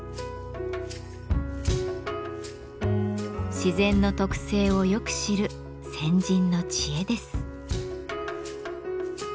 自然の特性をよく知る先人の知恵です。